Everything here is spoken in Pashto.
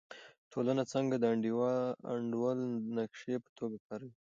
ټولنه څنګه د انډول د نقشې په توګه کاروي؟